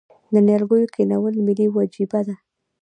د نیالګیو کینول ملي وجیبه ده؟